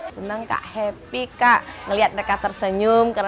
saya bahkan juga sudah berpikir pada saat mereka kembali ke rumah saya ketika saya bertanya kepada